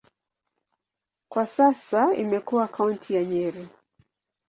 Kwa sasa imekuwa kaunti ya Nyeri.